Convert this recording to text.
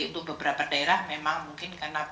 untuk beberapa daerah memang mungkin karena